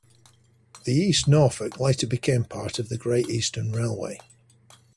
The East Norfolk later became part of the Great Eastern Railway.